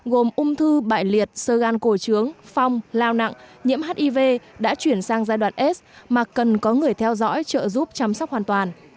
gồm ung thư bại liệt sơ gan cổ trướng phong lao nặng nhiễm hiv đã chuyển sang giai đoạn s mà cần có người theo dõi trợ giúp chăm sóc hoàn toàn